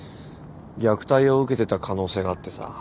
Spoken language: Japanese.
虐待を受けてた可能性があってさ。